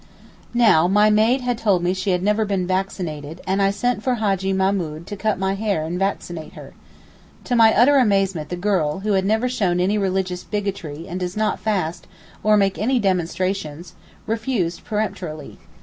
Now, my maid had told me she had never been vaccinated, and I sent for Hajjee Mahmood to cut my hair and vaccinate her. To my utter amazement the girl, who had never shown any religious bigotry, and does not fast, or make any demonstrations, refused peremptorily.